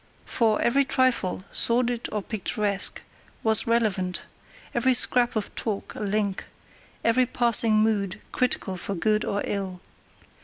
For every trifle, sordid or picturesque, was relevant; every scrap of talk a link; every passing mood critical for good or ill.